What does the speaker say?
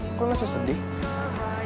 kok lu masih sedih